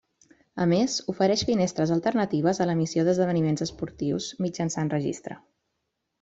A més ofereix finestres alternatives a l'emissió d'esdeveniments esportius, mitjançant registre.